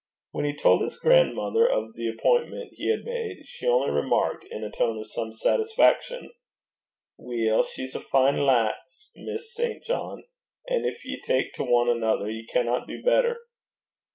When he told his grandmother of the appointment he had made, she only remarked, in a tone of some satisfaction, 'Weel, she's a fine lass, Miss St. John; and gin ye tak to ane anither, ye canna do better.'